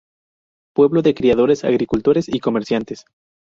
Pueblo de criadores, agricultores y comerciantes.